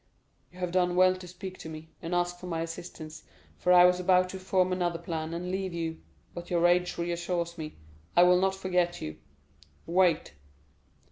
"You have done well to speak to me, and ask for my assistance, for I was about to form another plan, and leave you; but your age reassures me. I will not forget you. Wait."